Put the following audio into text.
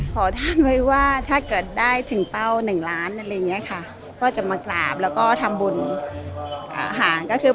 ขอท่านว่าถ้าเกิดถึงเป้า๑ล้านบาทจะมากราฟทำบุญ